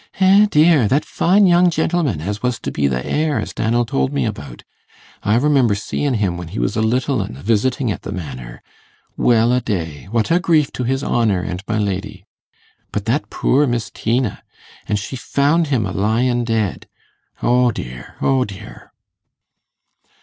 'Eh, dear! that fine young gentlemen as was to be th' heir, as Dannel told me about. I remember seein' him when he was a little un, a visitin' at the Manor. Well a day, what a grief to his honour and my lady. But that poor Miss Tina an' she found him a lyin' dead? O dear, O dear!